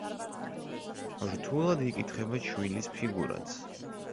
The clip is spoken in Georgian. რთულად იკითხება ჩვილის ფიგურაც.